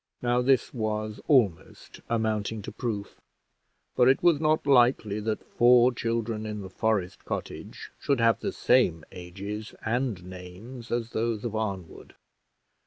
Now this was almost amounting to proof; for it was not likely that four children in the forest cottage should have the same ages and names as those of Arnwood.